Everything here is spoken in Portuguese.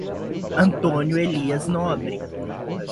Antônio Elias Nobre